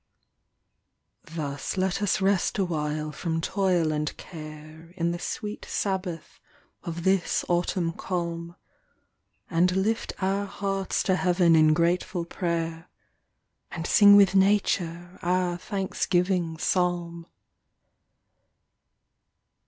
Thus let us rest awhile from toil and care, In the sweet sabbath of this autumn calm, And lift our hearts to heaven in grateful prayer, And sing with nature our thanksgiving psalm.